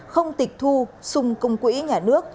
không tịch thu xung công quỹ nhà nước